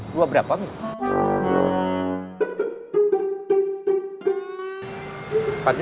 lu berapa minggu